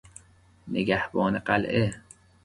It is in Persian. نگهبان قلعه